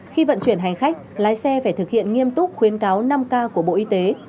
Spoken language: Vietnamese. khi vận chuyển hành khách lái xe phải thực hiện nghiêm túc khuyến cáo năm k của bộ y tế